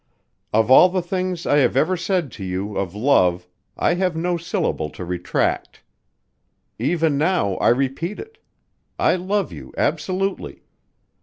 Of all the things I have ever said to you, of love, I have no syllable to retract. Even now I repeat it. I love you absolutely.